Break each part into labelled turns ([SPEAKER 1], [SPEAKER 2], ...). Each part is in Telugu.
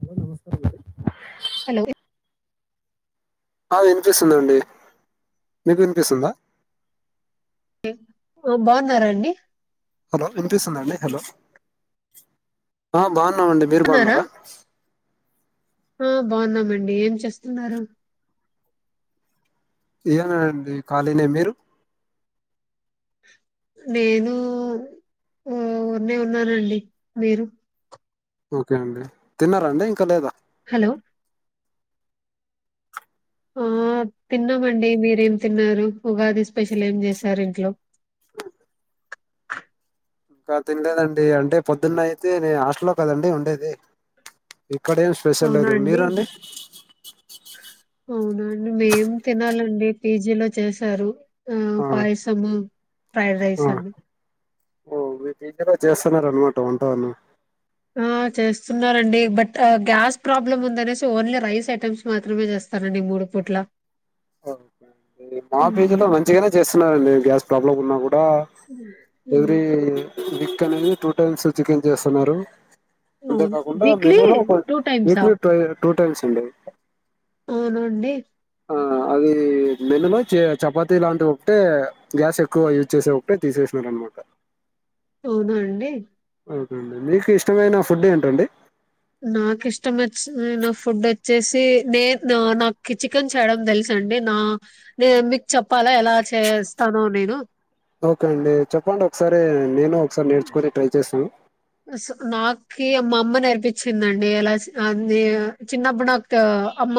[SPEAKER 1] హలో నమస్కారం
[SPEAKER 2] హలో
[SPEAKER 1] ఆ వినిపిస్తుందండి, మీకు వినిపిస్తుందా?
[SPEAKER 2] బాగున్నారాండి
[SPEAKER 1] హలో వినిపిస్తుందండి హలో, ఆ బాగు నాం అండి మీరు
[SPEAKER 2] బాగున్నారా
[SPEAKER 1] బాన్నార?
[SPEAKER 2] ఆ బాగున్నామండి ఏం చేస్తున్నారు?
[SPEAKER 1] ఏనా అండి ఖాళీనే, మీరు?
[SPEAKER 2] నేను ఉన్న ఉన్నానండి మీరు
[SPEAKER 1] ఓకే అండి తిన్నారండి ఇంకా లేదా
[SPEAKER 2] హలో ఆ తిన్నామండి, మీరేం తిన్నారు? ఉగాది స్పెషల్ ఏం చేసారు ఇంట్లో?
[SPEAKER 1] ఇంకా తినలేదండి అంటే పొద్దున్న అయితే నే హాస్టల్లో కదండి ఉండేది. ఇక్కడేం స్పెషల్ లేదు
[SPEAKER 2] అవునండి,
[SPEAKER 1] మీరండి
[SPEAKER 2] అవునండి మేం తినాలె నుండి పీజీలో చేశారు. ఆ పయసము
[SPEAKER 1] ఓజ చేస్తున్నరన్నమాట వంట వాళ్ళు
[SPEAKER 2] ఆ చేస్తున్నారండి బట్ గ్యాస్ ప్రాబ్లమ్ ఉందినేసి ఓన్లీ రైస్ ఐటమ్స్ మాత్రమే చేస్తానండి మూడు పూట్ల
[SPEAKER 1] ఓకే అ మా ఫీజ్
[SPEAKER 2] ఉమ్.
[SPEAKER 1] లో మంచిగానే చేస్తున్నారండి గ్యా డలలో ఉన్నా కూడా ఆ
[SPEAKER 2] ఉమ్.
[SPEAKER 1] వరి ని టూ టైమ్ చికెన్ చేస్తున్నారు అంతే
[SPEAKER 2] అవును.
[SPEAKER 1] కాకుండా
[SPEAKER 2] వీక్లీ టైమ్సా?
[SPEAKER 1] మెనులోక్ై టూ టైమ్స్ అండి
[SPEAKER 2] అవునండి
[SPEAKER 1] ఆ అది నెన్నలో చపాతి లాంటివి ఒకటే గ్యాస్ ఎక్కువ యూజ్ చేసే ఒకటే తీసేసినార అనమాట
[SPEAKER 2] అవున అండి
[SPEAKER 1] అఓకేనండి మీకు ఇష్టమైన ఫుడ్ ఏంటండి
[SPEAKER 2] నాకు ఇష్టం వచ్చిన ఫుడ్ వచ్చేసి నే నాకు చికెన్ చేయడం తెలుస అండి నా నే మీకు చెప్పాలా ఎలా చేస్తానో నేను
[SPEAKER 1] ఓకే అండి చెప్పండి ఒకసారి నేను ఒకసారి నేర్చుకుని ట్రై చేస్తాను
[SPEAKER 2] నాకి అమ్మ అమ్మ నేర్పించిందండి అలా న చిన్నప్పుడు నాకు అమ్మ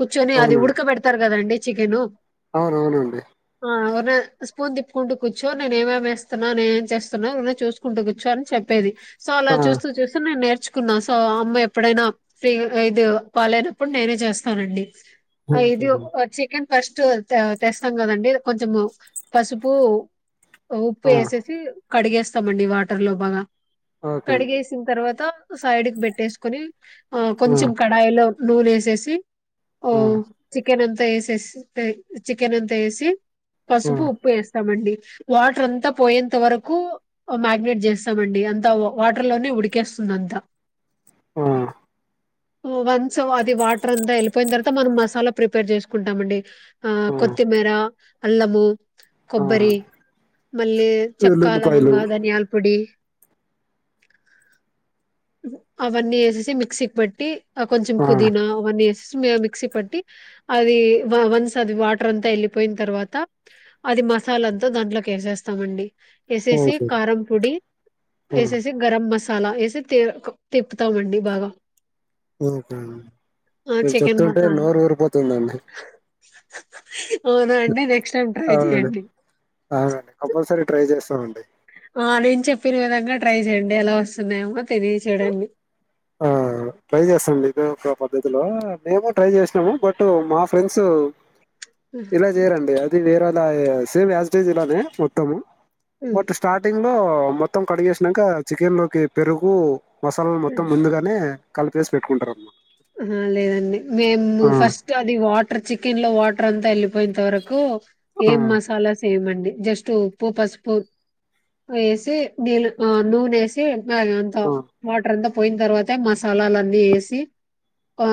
[SPEAKER 2] కూర్చొని అది
[SPEAKER 1] అవునండి
[SPEAKER 2] ఉడకబడతారు కదండి చికెను
[SPEAKER 1] అవునవునండి
[SPEAKER 2] ఆ స్పూన్ తిప్పుకుంటూ కూర్చో నేనునేమేమిేస్తున్నా నేనే ఏం చేస్తున్నా చూసుకుంటూ కూర్చో అని చెప్ప ప్పేది సో అలా
[SPEAKER 1] ఆ
[SPEAKER 2] చూ చూస్తే నే నేర్చు తీకున్నా సో అమ్మ ఎప్పుడైనా ఫ్రీ ఇది బాలేనప్పుడు నేనే చేస్తానండి
[SPEAKER 1] ఓకే
[SPEAKER 2] ఇది
[SPEAKER 1] అండి
[SPEAKER 2] చికెన్ ఫస్ట్ తెస్తాం కదండి కొంచము పసుపు ఉప్పు
[SPEAKER 1] ఆ
[SPEAKER 2] వేసేసి కడిగేస్తామండి వాటర్ లో బాగా
[SPEAKER 1] ఓకే అండి
[SPEAKER 2] కడిగేసిన తర్వాత సైడ్ క పెట్టేసుకుొని ఆ కొంచం కడాయిలో నూలు వేసేసి ఓ
[SPEAKER 1] ఆ
[SPEAKER 2] చికెన్ అంత ేసే చికెన్ అంతయేసి
[SPEAKER 1] ఆ
[SPEAKER 2] పసుపు ఉప్పు వేస్తామండి వాటర్ అంతా పోయేంత వరకు మ్యాగ్ినేట్ చేస్తామండి అంతా వాటర్ లోనే ఉడికేస్తుంది అంతా
[SPEAKER 1] ఆ
[SPEAKER 2] వన్స్ అది వాటర్ అంతా వెళ్ళిపోయిన తర్వాత మనం మసాలా ప్రిపేర్ చేసుకుంటామండి ఆ కొత్తిమిర అల్లబూ
[SPEAKER 1] ఆ
[SPEAKER 2] కొబ్బరి మళ్ళీ చెక్క
[SPEAKER 1] వెల్లుల్లిపాయలు
[SPEAKER 2] లవంగ ధనియాల పొడి అవన్నీ వేసేసి మిక్సీకి పెట్టి కొంచం
[SPEAKER 1] ఆ
[SPEAKER 2] కుదీనా వన్ ఇయర్స్ మిక్సీ పట్టి అది వన్స్ అది వాటర్ అంతా వెళ్ళిపోయిన తర్వాత అది మసాలా అంతా దాంట్లోకి వేసేస్తామండి ఎస ఎసి
[SPEAKER 1] ఓకే
[SPEAKER 2] కారం పొడి
[SPEAKER 1] ఆ
[SPEAKER 2] సే సే గర్మ మసాలా ఏసి త తిపుతామండి బాగా ఆ
[SPEAKER 1] మీరు
[SPEAKER 2] చికెన్
[SPEAKER 1] చెప్తుంటే
[SPEAKER 2] మసాలా
[SPEAKER 1] నోరు ఊరిపోతుందండి
[SPEAKER 2] అవునా అండి నెక్స్ట్ టైం ట్రై
[SPEAKER 1] అవును
[SPEAKER 2] చేయండి
[SPEAKER 1] అ కంపల్సరి ట్రై చేస్తామండి
[SPEAKER 2] ఆ నేను చెప్పిన విధంగా ట్రై చేయండి ఎలా వస్తున్నాయేమో తెలియచేడండి
[SPEAKER 1] ఆ ట్రై చేస్తాండి ఇదే ఒక పద్ధతిలో మేము ట్రై చేసినాము బట్ మా ఫ్రెండ్స్ ఇలా చేయరండి అది వేర ఇలా సేమ్ యాస్టేజ్ ఇలా అదే మొత్తము బట్ స్టార్టింగ్ లో మొత్తం కడిగేసినాక చికెన్ లోకి పెరుగు మసాలా ముందుగానే క చేసి పెట్టుకుంటార అమా
[SPEAKER 2] ఆ లేదండి మేము ఫస్ట్ అది వాటర్ చికెన్ లో వాటర్ అంతా వెళి పోయింత వరకు
[SPEAKER 1] ఆ
[SPEAKER 2] ఏం మసాలాస్ ఏమండి జస్ట్ ఉ పసుపు వే న నూేసి మ అంత
[SPEAKER 1] ఆ
[SPEAKER 2] మోటర్ ఎంతా పోయిన తర్వాత మసాలాలన్నీ వేసి ఆ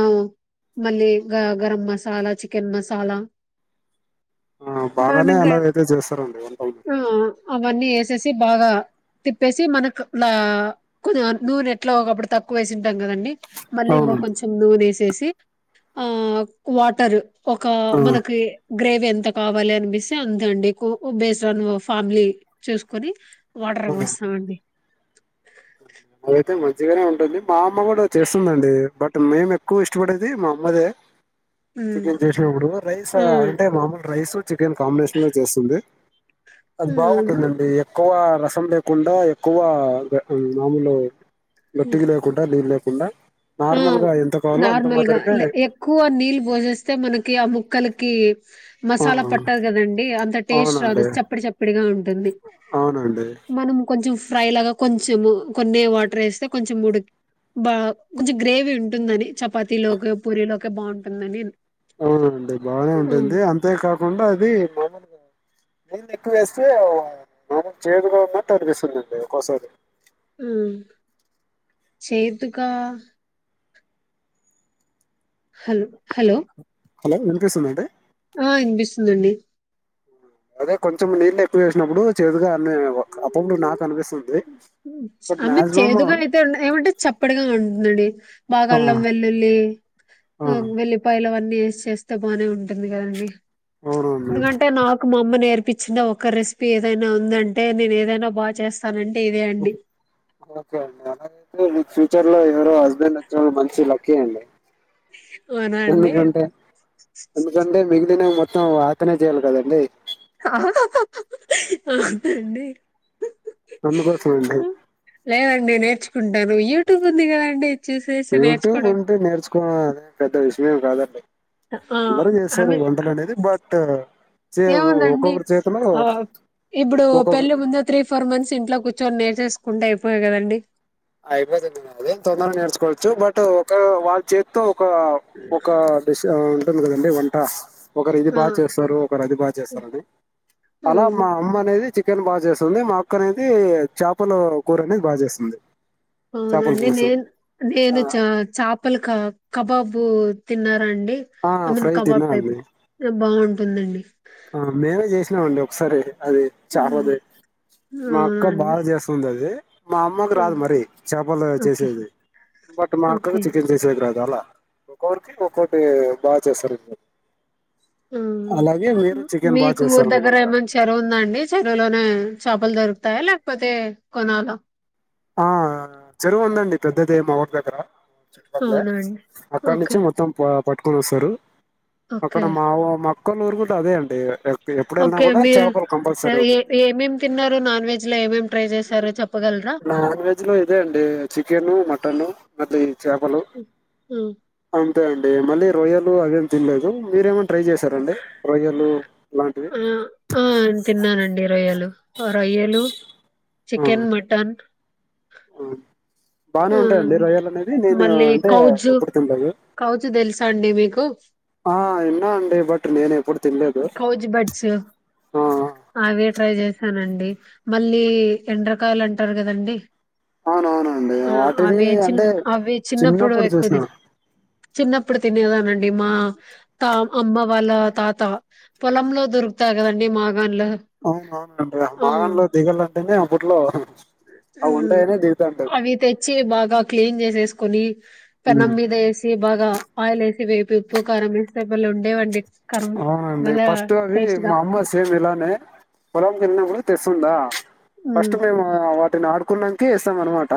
[SPEAKER 2] మళ్ళీ గ గరం మసాలా చికెన్ మసాలా
[SPEAKER 1] ఆ బాగానే
[SPEAKER 2] మనగా
[SPEAKER 1] అలాగైతే చేస్తారంండి ఏంట మీరు
[SPEAKER 2] ఆ అవన్నీ వేసేసి బాగా తిప్పేసి మనకు నూనె ఎట్లా ఒకప్పుడు తక్కువ వేసింటాం కదండి మన
[SPEAKER 1] అవునండి
[SPEAKER 2] కొంచెం దూర వేసేసి ఆ వాటర్ ఒక
[SPEAKER 1] ఆ
[SPEAKER 2] మనకి గ్రేవీ ఎంత కావాలి అనిపిస్తే అంతండి బేస్రాన్ ఫామిలీ చూసుకొని వాటర్
[SPEAKER 1] ఆ
[SPEAKER 2] పోస్తామండి.
[SPEAKER 1] అదైతే మంచిగానే ఉంటుంది. మా అమ్మ కూడా చేస్తుందండి. బట్ మేము ఎక్కువ ఇష్టపడేది మా అమ్మదే.
[SPEAKER 2] హ్మ్.
[SPEAKER 1] చికెన్ చేసినప్పుడు రైస్
[SPEAKER 2] ఆ
[SPEAKER 1] అంటే మామూలు రైస్. చికెన్ కాంబినేషన్ లో చేస్తుంది. అది బాగుంటుందండి ఎక్కువ. లేకుండా ఎక్కువ మాములు. గట్టికి లేకుండా లే కుండా
[SPEAKER 2] ఆ నార్మల్గా ఎక్కువ నీళ్లు భోజిస్తే మనకి ఆ ముక్క కి
[SPEAKER 1] ఆ
[SPEAKER 2] మసాలా పట్టదు కదండి అంత టేస్ట్ రాదు
[SPEAKER 1] అవునండి
[SPEAKER 2] చప్పడి చప్పడిగా ఉంటుంది.
[SPEAKER 1] అవునండి
[SPEAKER 2] మనం కొంచెం ఫ్రై లాగా కొంచెం కొన్ని వాటర్ వేస్తే కొంచెం ఉడికి బా కొంచెం గ్రేవీ ఉంటుందని చపాతీలోక పూరీ లోకే బాగుంటుందని.
[SPEAKER 1] అవునండి బానే ఉంటుంది అంతే కాకుండా అది మామూలు నేను ఎక్కువ వేస్తే మామూలు చేదుగా ఉన్నట్టు అనిపిస్తుందిండి. ఒకోసారి
[SPEAKER 2] ఉం చేదుగా. హలో హలో
[SPEAKER 1] హలో వినిపిస్తుందా అండి.
[SPEAKER 2] ఆ వినిపిస్తుందండి.
[SPEAKER 1] అదే కొంచెం నీళ్ళ ఎక్కువేసినప్పుడు చేదుగా అ అప్పుడప్పుడు నాకు అనిపిస్తుంది బట్
[SPEAKER 2] ఐ మీన్
[SPEAKER 1] మాక్సిమం
[SPEAKER 2] చేదుగా అయితే ఏమంటే చప్పడిగా ఉంటుందండి బాగా
[SPEAKER 1] ఆ
[SPEAKER 2] అల్లం వెల్లుల్లి
[SPEAKER 1] ఆ
[SPEAKER 2] వెల్లిపాయలు అవన్నీ. చేస్తే బానే ఉంటుంది కదండి.
[SPEAKER 1] అవునండి
[SPEAKER 2] ఎందుకంటే నాకు మా అమ్మ నేర్ అనిపించిన ఒక రెసిపీ ఏదైనా ఉందంటే నేను ఏదైనా బాగా చేస్తా. సరేండి.
[SPEAKER 1] ఓకే అండి అలాగాతే మీకు ఫ్యూచర్ లో ఎవరో హస్బెండ్ వచ్చారు మంచి లక్కీ అండి.
[SPEAKER 2] అవునా
[SPEAKER 1] ఒంటి
[SPEAKER 2] అండి
[SPEAKER 1] గంటే ఒంటి గంటె మిగిలినయ్ మొత్త మొత్తం అతనే చేయాలి కదండి.
[SPEAKER 2] అవునండి.
[SPEAKER 1] అమ్మ కోసమండి.
[SPEAKER 2] ఉంటాను యూట్యూబ్ ఉంది కదండి. చూసేసి
[SPEAKER 1] యూట్యూబ్
[SPEAKER 2] నేర్చుకోవడం
[SPEAKER 1] ఉంటే నేర్చుకోడందే పెద్ద విషయం. ఇవి కాదండి
[SPEAKER 2] ఆ
[SPEAKER 1] అందరూ
[SPEAKER 2] ఐ
[SPEAKER 1] చేస్తారు
[SPEAKER 2] మీన్
[SPEAKER 1] వంటలు అనేది బట్ చే
[SPEAKER 2] ఏముందండి
[SPEAKER 1] ఒక్కొక్కరి చేతిలో
[SPEAKER 2] ఆ ఇప్పుడు
[SPEAKER 1] ఒక్కొక్క
[SPEAKER 2] పెళ్ళి ముందు త్రీ ఫోర్ మంత్స్ ఇంట్లో కూర్ ర్చొని నేర్చేసుకుంటే అయిపోయేది కదండి
[SPEAKER 1] అయిపోతుండే మేడం అదే తొందరగా నేర్చుకోవచ్చు బట్ ఒక వాళ్ళ చేత్తో ఒక ఒక డిస్ ఉంటది కదండి వంట ఒకరు ఇది
[SPEAKER 2] ఆ
[SPEAKER 1] బాగా చేస్తారు ఒకరు అది బాగా చేస్తారు అండి అలా
[SPEAKER 2] ఉమ్,
[SPEAKER 1] మా అమ్మ అనేది చికెన్ బాగా చేస్తుంది మా అక్క అనేది చేపల కూర అనేది బాగా చేస్తుంది చేపల
[SPEAKER 2] అవునండి
[SPEAKER 1] పులుసు
[SPEAKER 2] నేను
[SPEAKER 1] ఆ,
[SPEAKER 2] నేను చ చాపలు కా కబాబు తిన్న అండి
[SPEAKER 1] ఆ,
[SPEAKER 2] ఐ మీన్
[SPEAKER 1] ఫ్రై
[SPEAKER 2] కబాబ్
[SPEAKER 1] తిన్నా
[SPEAKER 2] టైప్
[SPEAKER 1] అండి
[SPEAKER 2] బాగున్ [unintelligible]
[SPEAKER 1] ఆ మేమే చేసినామండి ఒకసారి అది
[SPEAKER 2] ఉమ్,
[SPEAKER 1] చాపది మా అక్క
[SPEAKER 2] అవునండి
[SPEAKER 1] బాగా చేస్తుంది అది మా అమ్మకు రాదు
[SPEAKER 2] ఉమ్,
[SPEAKER 1] మరి చేపలు
[SPEAKER 2] ఓకే
[SPEAKER 1] చేసేది బట్ మా అక్కకు
[SPEAKER 2] ఓకే
[SPEAKER 1] చికెన్ చేసేది రాదు అలా. ఒకరికి ఒకటి బాగా చేస్తారు ఇలా
[SPEAKER 2] ఉమ్.
[SPEAKER 1] అలాగే వే
[SPEAKER 2] మీకు ఊరు దగ్గర ఏమైన్నా చెరువు ఉందండి చెరువులోనే చేపలు దొరుకుతాయా లేకపోతే కొనాలా
[SPEAKER 1] ఆ చెరువు ఉందండి పెద్దదే మా ఊరి దగ్గర చుట్టుపక్కలే
[SPEAKER 2] అవునండి
[SPEAKER 1] అక్కడ నుంచి
[SPEAKER 2] ఓకే
[SPEAKER 1] మొత్తం పా పట్టుకుని వస్తరు అక్కడ
[SPEAKER 2] ఓకే
[SPEAKER 1] మావ మాకు కొన్నూరుగుంట అదే అండి ఎక్- ఎప్పుడు వెళ్ళినా
[SPEAKER 2] ఓకే
[SPEAKER 1] కూడా
[SPEAKER 2] మీరు
[SPEAKER 1] చేపలు కంపల్సరీ
[SPEAKER 2] ఏ
[SPEAKER 1] ఉంటుంది
[SPEAKER 2] ఏమేమి తిన్నారు నాన్ వెజ్ లో ఏమేమి ట్రై చేశారు చెప్పగలరా.
[SPEAKER 1] నాన్ వెజ్ లో ఇదే అండి చికెను మటను మాది చేపలు
[SPEAKER 2] ఉమ్.
[SPEAKER 1] అవును అంతే అండి మళ్ళీ రొయ్యలు అవేం తినలేదు మీరేమన్న ట్రై చేశారండి రొయ్యలు ఇలాంటివి
[SPEAKER 2] ఆ తిన్నానండి రొయ్యలు ఆ రొయ్యలు
[SPEAKER 1] ఆ
[SPEAKER 2] చికెన్ మటన్ [inaudible]
[SPEAKER 1] బాగానే
[SPEAKER 2] ఆ
[SPEAKER 1] ఉంటాయండి రొయ్యలు అనేది నేను
[SPEAKER 2] మళ్ళీ
[SPEAKER 1] అంటే
[SPEAKER 2] కౌజు
[SPEAKER 1] ఏప్పుడు తినలేదు
[SPEAKER 2] కౌజు తెలుసా అండి మీకు
[SPEAKER 1] ఆ ఇన్నా అండి బట్ నేను ఎప్పుడు తినలేదు
[SPEAKER 2] కౌజ్ బడ్స్
[SPEAKER 1] ఆ
[SPEAKER 2] కదండి మళ్ళీ ఎండ్రా కాయలు అంటారు కదండి
[SPEAKER 1] అవునవును
[SPEAKER 2] ఆ అవి చి అవి చిన్నప్పుడు ఎక్కువ తిన చిన్నప్పుడు తినేదా దండి మా తాతమ్మ వాళ్ళ తాత పొలంలో దొరుకుత్తయ్ కదండి మా
[SPEAKER 1] అవున అవునండి మా దాంట్లో దిగలంటేనే అప్పట్లో అవి
[SPEAKER 2] ఉమ్,
[SPEAKER 1] ఉంటాయనే దిగుతాంటారు
[SPEAKER 2] అవి తెచ్చి బాగా క్లీన్ చేసేసుకొని పెన్నం
[SPEAKER 1] హ్మ్.
[SPEAKER 2] మీద వేసి బాగా ఆయిల్ వేసి వేపి ఉప్పు కారం వేస్తే బలే ఉండేవండి కారం
[SPEAKER 1] అవునండి
[SPEAKER 2] బలే
[SPEAKER 1] ఫస్ట్ అవి
[SPEAKER 2] టేస్ట్ గా
[SPEAKER 1] మా అమ్మ సేమ్ ఇలానే పొలం వెళ్ళినప్పుడు తెస్తుందా ఫస్ట్
[SPEAKER 2] ఉమ్.
[SPEAKER 1] మేము నేను ఆడుకున్నానికి ఇస్తాం అన్నమాట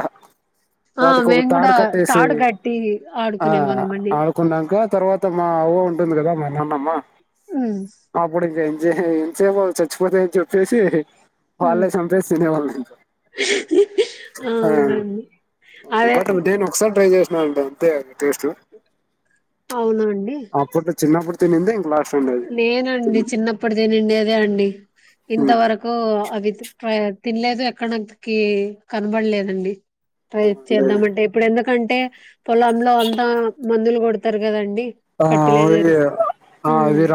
[SPEAKER 2] ఆ
[SPEAKER 1] వాటికి ఒక
[SPEAKER 2] మేము
[SPEAKER 1] తాడు
[SPEAKER 2] కూడా
[SPEAKER 1] కట్టేసి
[SPEAKER 2] తాడు కట్టి
[SPEAKER 1] ఆ
[SPEAKER 2] ఆడుకునే వాళ్ళం అండి
[SPEAKER 1] ఆడుకున్నాక తర్వాత మా అవ్వ ఉంటుంది కదా మా నాన్నమ్మ
[SPEAKER 2] ఉమ్
[SPEAKER 1] [unintelligible] అని చచ్చిపోతాయి అని చెప్పేసి వాళ్ళే
[SPEAKER 2] ఉమ్.
[SPEAKER 1] చంపేసి తినేవాళ్ళండి
[SPEAKER 2] అవునండి అదే
[SPEAKER 1] బట్ నేను ఒకసారి ట్రై చేస్తాను ఆ బలే ఉంటై అండి టేస్ట్
[SPEAKER 2] అవునండి
[SPEAKER 1] తినింది ఇంక లాస్ట్ అండి అది
[SPEAKER 2] నేనండి చిన్నఅప్పుడు తినుండేదే అండి ఇంత
[SPEAKER 1] ఉమ్,
[SPEAKER 2] వరకు అవి తినలేదు ఎక్కడనాకి కనబడలేదండి ట్రై
[SPEAKER 1] అంటే
[SPEAKER 2] చేద్దామంటే ఇప్పుడు ఎందుకంటే పొలంలో అంతా మందులు కొడతారు కదండి
[SPEAKER 1] ఆ
[SPEAKER 2] ఫర్టిలైజర్స్
[SPEAKER 1] [unintelligible]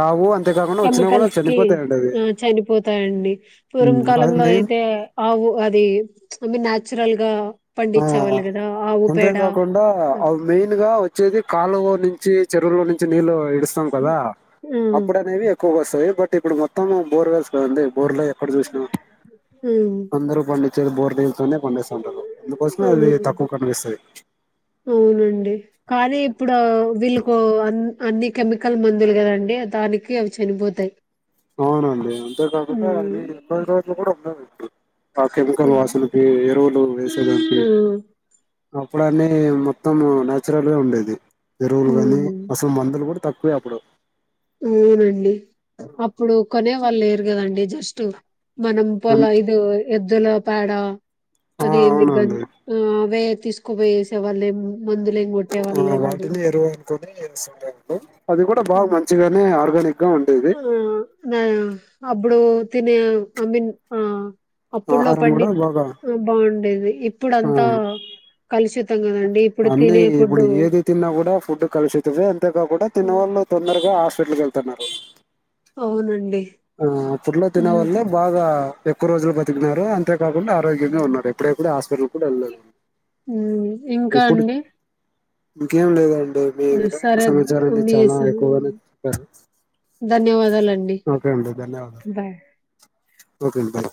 [SPEAKER 1] రావు అంతేకాకుండా వచ్చినా కూడా
[SPEAKER 2] కెమికల్స్ కి
[SPEAKER 1] చనిపోతాయండి అవి
[SPEAKER 2] ఆ చనిపోతాయండి పూర్వం
[SPEAKER 1] ఉమ్, అది
[SPEAKER 2] కాలంలో
[SPEAKER 1] మెయిన్
[SPEAKER 2] అయితే ఆవు అది అవి న్యాచురల్ గా
[SPEAKER 1] ఆ
[SPEAKER 2] పండించేవాళ్ళు కదా ఆవు పేడ ఆ
[SPEAKER 1] అంతేకాకుండా అవి మెయిన్ గా వచ్చేది కాలువ నుంచి చెరువులోనుంచి నుంచి నీళ్ళు ఇడుస్తాం కదా
[SPEAKER 2] ఆ
[SPEAKER 1] అప్పుడు అనేవి ఎక్కువగా వస్త [unintelligible] బట్ ఇప్పుడు మొత్తం బోర్వేల్స్ కదండీ బోర్లో ఎక్కడ చూసినా అందరు పండి తిరు బోరు దిగుతూనే పండిస్తాం
[SPEAKER 2] అవును అవునండి కానీ ఇప్పుడు వీలు ఓ అన్ని కెమికల్ మందులు కదండి దానికి అవి చనిపోతాయి
[SPEAKER 1] అవునండి అంతేకాకుండా
[SPEAKER 2] ఉమ్
[SPEAKER 1] అవి కొన్ని రోజులు కూడా ఉండవు ఇప్పుడు ఆ కెమికల్
[SPEAKER 2] ఉమ్
[SPEAKER 1] వాసనకి ఎరువులు వేసేదానికి
[SPEAKER 2] ఉమ్.
[SPEAKER 1] అప్పుడు అన్నీ మొత్తం న్యాచురల్గా ఉండేది ఎరువులు కాని
[SPEAKER 2] హ్మ్
[SPEAKER 1] అసలు మందులు కూడా త వె అప్పుడు
[SPEAKER 2] అవునండి అప్పుడు కొనే వాళ్ళు లేర్ గదండి జస్టు మనం పలా
[SPEAKER 1] అన్-
[SPEAKER 2] ఐదు ఎద్దుల వాడ
[SPEAKER 1] ఆ
[SPEAKER 2] అదేంది గన్
[SPEAKER 1] అవునండి
[SPEAKER 2] ఆ వే తీసుకుపోయేసే వాళ్ళేము
[SPEAKER 1] ఆ వాటిని ఎరువు అనుకుని [unintelligible] అది కూడా బాగా
[SPEAKER 2] హ్మ్.
[SPEAKER 1] మంచిగానే ఆర్గానిక్ గా ఉండేది
[SPEAKER 2] ఆ నా అప్పుడు తినే ఐ మీన్ ఆ అప్పుడులో
[SPEAKER 1] ఆహారం
[SPEAKER 2] పండి
[SPEAKER 1] కూడా బాగా
[SPEAKER 2] బాగుండేది అది ఇప్పుడు అంతా
[SPEAKER 1] ఆ అన్నీ ఇప్పుడు ఏది తిన్నా కూడా ఫుడ్ కలుషితమే అంతేకాకుండా తిన్న
[SPEAKER 2] హ్మ్.
[SPEAKER 1] వాళ్ళు తొందరగా హాస్పిటల్కి వెళ్తున్నారు
[SPEAKER 2] అవునండి
[SPEAKER 1] ఆ ఫుడ్లో తిన
[SPEAKER 2] హ్మ్.
[SPEAKER 1] వల్లే బాగా ఎక్కువ రోజులు బతికినారు అంతేకాకుండా ఆరోగ్యంగా ఉన్నారు ఎప్పుడే కూడా హాస్పిటల్ కూడా వెళ్ళలేదు
[SPEAKER 2] ఉమ్ ఇంకా
[SPEAKER 1] ఇప్పుడు
[SPEAKER 2] అండి
[SPEAKER 1] ఇంకేం లేదం
[SPEAKER 2] సరే మీ స్
[SPEAKER 1] ఎక్కువగానే చెప్పారు
[SPEAKER 2] ధన్యవాదాలండి
[SPEAKER 1] ఒకే అండి ధన్యవాదాలు
[SPEAKER 2] బాయ్
[SPEAKER 1] ఓకే అండి బాయ్